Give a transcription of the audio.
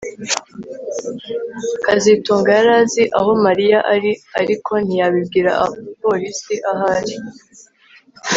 kazitunga yari azi aho Mariya ari ariko ntiyabwira abapolisi aho ari